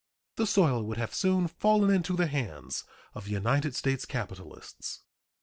The soil would have soon fallen into the hands of United States capitalists.